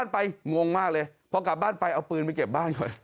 งวงมากเลยเพราะกลับบ้านไปเอาปืนไปเก็บบ้าน